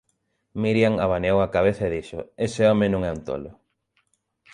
Miriam abaneou a cabeza e dixo: Ese home non é un tolo.